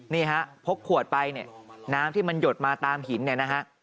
นี่ฮะพกขวดไปเนี่ยน้ำที่มันหยดมาตามหินเนี่ยนะฮะ